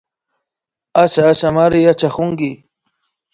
Asha Ashamari yachakunki